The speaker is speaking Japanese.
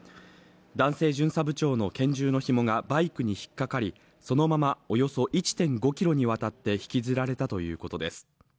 男性巡査部長の拳銃のひもがバイクに引っかかりそのままおよそ１．５ｋｍにわたって引きずられたということです。